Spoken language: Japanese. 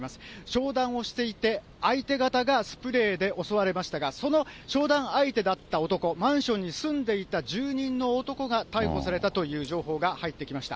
商談をしていて、相手方がスプレーで襲われましたが、その商談相手だった男、マンションに住んでいた住人の男が逮捕されたという情報が入ってきました。